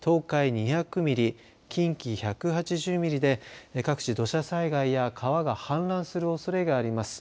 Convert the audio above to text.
２００ミリ近畿１８０ミリで各地で土砂災害や川が氾濫するおそれがあります。